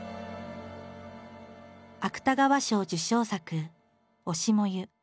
芥川賞受賞作「推し、燃ゆ」。